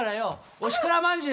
おしくらまんじゅう！